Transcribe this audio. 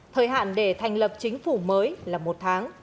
thời hạn để thành lập chính phủ mới là một tháng